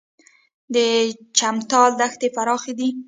د چمتال دښتې پراخې دي